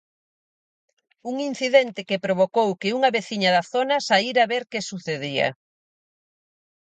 Un incidente que provocou que unha veciña da zona saíra ver que sucedía.